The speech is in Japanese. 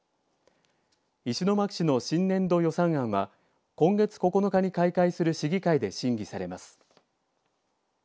石巻市の新年度予算案は今月９日に開会する市議会で審議されます。